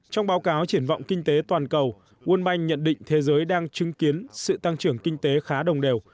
trong báo cáo triển vọng kinh tế toàn cầu world bank nhận định thế giới đang chứng kiến sự tăng trưởng kinh tế khá đồng đều